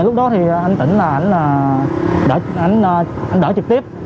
lúc đó thì anh tĩnh là anh đỡ trực tiếp